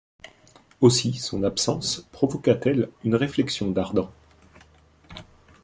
Aussi son absence provoqua-t-elle une réflexion d’Ardan.